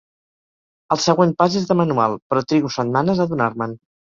El següent pas és de manual, però trigo setmanes a adonar-me'n.